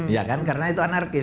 ya kan karena itu anarkis